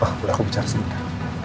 pak boleh aku bicara sebentar